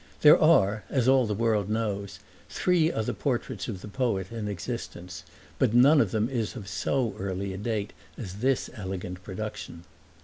There are, as all the world knows, three other portraits of the poet in existence, but none of them is of so early a date as this elegant production.